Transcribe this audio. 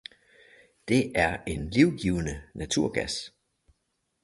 Det er en livgivende naturgas!